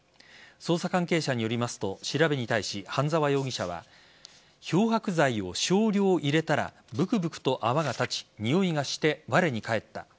捜査関係者によりますと調べに対し、半沢容疑者は漂白剤を少量入れたらブクブクと泡が立ちにおいがして、われに返った。